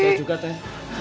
saya juga teteh